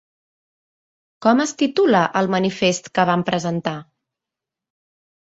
Com es titula el manifest que van presentar?